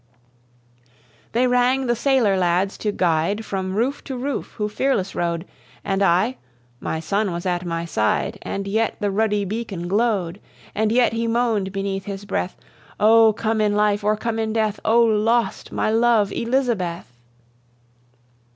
They rang the sailor lads to guide From roofe to roofe who fearless row'd; And I my sonne was at my side, And yet the ruddy beacon glow'd: And yet he moan'd beneath his breath, "O come in life, or come in death! O lost! my love, Elizabeth."